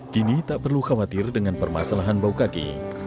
kini tak perlu khawatir dengan permasalahan bau kaki